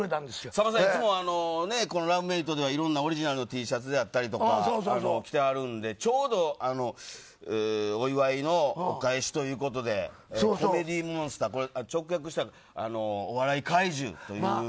さんまさん、いつもこのラブメイトではオリジナルのＴシャツだったり着てはるんで、ちょうどお祝いのお返しということでコメディーモンスター直訳したらお笑い怪獣という。